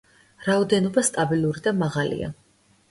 რაოდენობა სტაბილური და მაღალია.